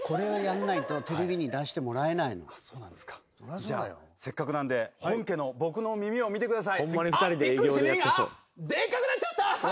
じゃあせっかくなんで本家の僕の耳を見てください。